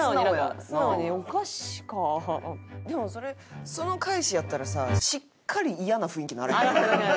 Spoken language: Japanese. でもそれその返しやったらさしっかりイヤな雰囲気にならへん？